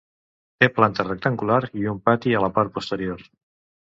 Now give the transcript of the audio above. Té planta rectangular i un pati a la part posterior.